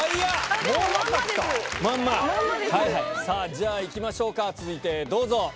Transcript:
じゃあ行きましょうか続いてどうぞ！